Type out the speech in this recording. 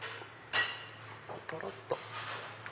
とろっと。